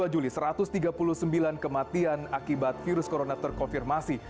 dua puluh juli satu ratus tiga puluh sembilan kematian akibat virus corona terkonfirmasi